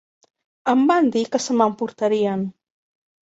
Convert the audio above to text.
Em van dir que se m'emportarien.